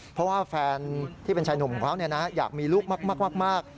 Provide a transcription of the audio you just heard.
เพราะว่าแฟนที่เป็นชายหนุ่มของเขาอยากมีลูกมาก